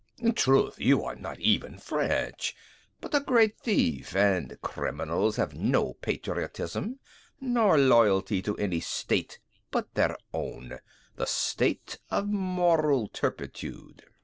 In truth, you are not even French, but a great thief; and criminals have no patriotism, nor loyalty to any State but their own, the state of moral turpitude."